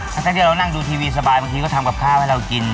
ทั้งที่เรานั่งดูทีวีสบายบางทีก็ทำกับข้าวให้เรากิน